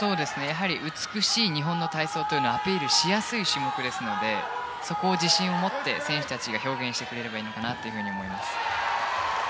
美しい日本の体操というのをアピールしやすい種目ですのでそこを自信を持って選手たちが表現してくれればいいなと思います。